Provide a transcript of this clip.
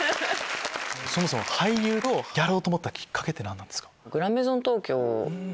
そもそも俳優をやろうと思ったキッカケって何なんですか？